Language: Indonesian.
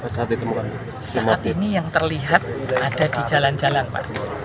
saat ini yang terlihat ada di jalan jalan pak